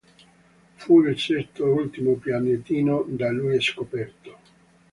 Fu il sesto e ultimo pianetino da lui scoperto.